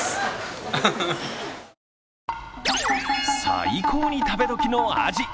最高に食べ時のアジ。